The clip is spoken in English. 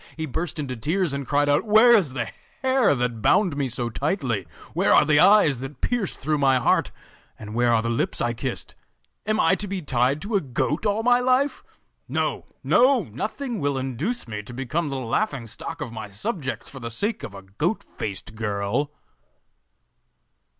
He burst into tears, and cried out: 'Where is the hair that bound me so tightly, where are the eyes that pierced through my heart, and where are the lips I kissed? Am I to be tied to a goat all my life? No, no! nothing will induce me to become the laughing stock of my subjects for the sake of a goat faced girl!